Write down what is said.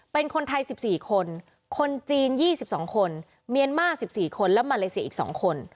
เป็นคนไทย๑๔คนคนจีน๒๒คนเมียนมาร์๑๔คนและมาเลเซียอีก๒คน